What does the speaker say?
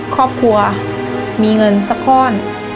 ครอบครัวมีเงินสักก้อน